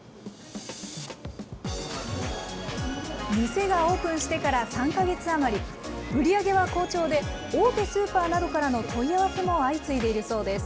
店がオープンしてから３か月余り、売り上げは好調で大手スーパーなどからの問い合わせも相次いでいるそうです。